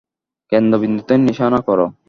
কেন্দ্রবিন্দুতে নিশানা কর!